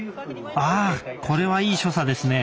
あこれはいい所作ですね。